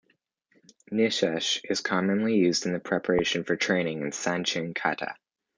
Niseishi is commonly used in preparation for training in Sanchin kata.